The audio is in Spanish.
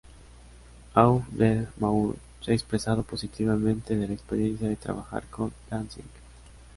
Auf der Maur se ha expresado positivamente de la experiencia de trabajar con Danzig.